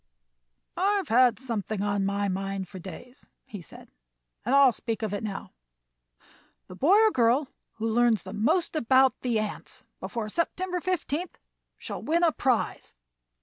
"I've had something on my mind for days," he said, "and I'll speak of it now. The boy or girl who learns most about the ants before September 15th shall win a prize.